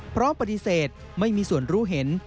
พร้อมปฏิเสธไม่มีส่วนรู้เห็น